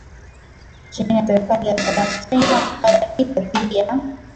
chini ya serikali ya Saddam Hussein tangu baadaye vita dhidi ya